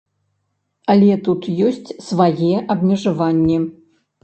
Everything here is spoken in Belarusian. Але тут ёсць свае абмежаванні.